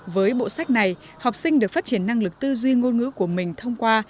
với bộ sách này học sinh được phát triển năng lực tư duy ngôn ngữ của mình thông qua